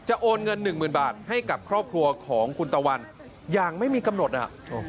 โอนเงินหนึ่งหมื่นบาทให้กับครอบครัวของคุณตะวันอย่างไม่มีกำหนดอ่ะ